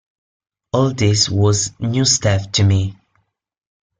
All this was new stuff to me.